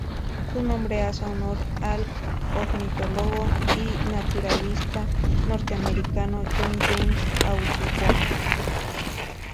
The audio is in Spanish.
Su nombre hace honor al ornitólogo y naturalista norteamericano John James Audubon.